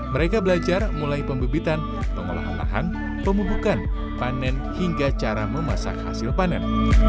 mereka belajar mulai pembibitan pengolahan lahan pemubukan panen hingga cara memasak hasil panen